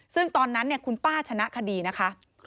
ซึ่งตอนนั้นคุณป้าชนะคดีนะคะ